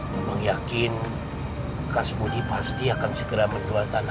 memang yakin kas mudih pasti akan segera mendual tanahnya